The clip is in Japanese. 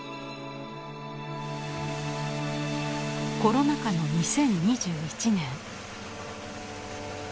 コロナ禍の２０２１年。